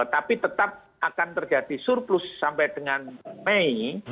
tapi tetap akan terjadi surplus sampai dengan mei